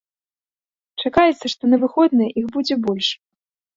Чакаецца, што на выходныя іх будзе больш.